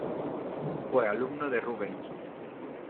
Fue alumno de Rubens.